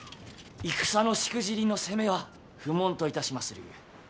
戦のしくじりの責めは不問といたしまするゆえ。